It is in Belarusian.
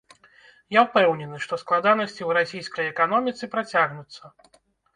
Я ўпэўнены, што складанасці ў расійскай эканоміцы працягнуцца.